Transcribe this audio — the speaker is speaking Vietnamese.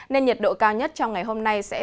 nên nhiệt độ cao nhất trong ngày hôm nay sẽ giảm